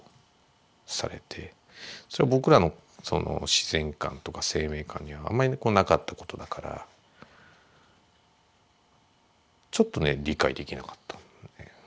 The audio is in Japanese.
それ僕らの自然観とか生命観にはあんまりなかったことだからちょっとね理解できなかった。